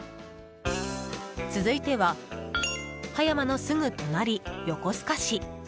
続いては、葉山のすぐ隣横須賀市。